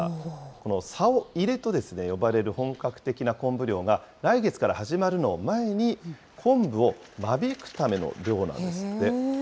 この棹入れと呼ばれる本格的なコンブ漁が、来月から始まるのを前に、コンブを間引くための漁なんですって。